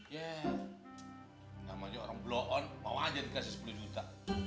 yee namanya orang bloon mau aja dikasih sepuluh juta